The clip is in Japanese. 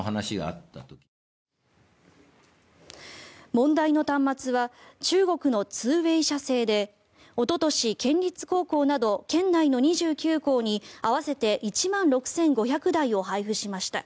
問題の端末は中国のツーウェイ社製でおととし、県立高校など県内の２９校に合わせて１万６５００台を配布しました。